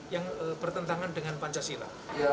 yang bertentangan dengan pancasila